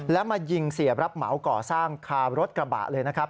แล้วมายิงเสียรับเหมาก่อสร้างคารถกระบะเลยนะครับ